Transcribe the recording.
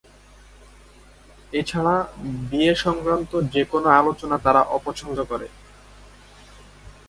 এছাড়া, বিয়ে সংক্রান্ত যেকোনো আলোচনা তারা অপছন্দ করে।